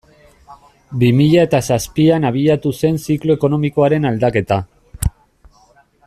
Bi mila eta zazpian abiatu zen ziklo ekonomikoaren aldaketa.